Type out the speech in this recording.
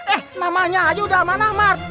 eh namanya aja udah aman aman